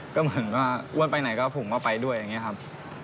ก็เหมือนก็อ้วนไปไหนก็ผมก็ไปด้วยอย่างนี้ครับ